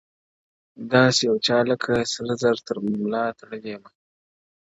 داسي يوه چا لكه سره زر تر ملا تړلى يم-